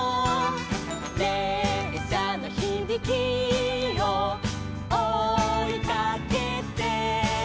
「れっしゃのひびきをおいかけて」